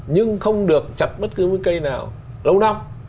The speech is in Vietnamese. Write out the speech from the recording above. nhưng không được chặt bất cứ cây nào lâu năm